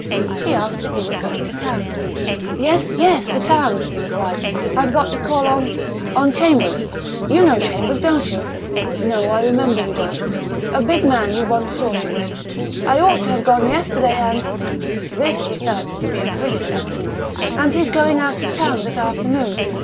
She asked if he was going to town. "Yes, yes to town," he replied. "I've got to call on on Chambers. You know Chambers, don't you? No, I remember you don't; a big man you once saw me with.... I ought to have gone yesterday, and " this he felt to be a brilliant effort "and he's going out of town this afternoon.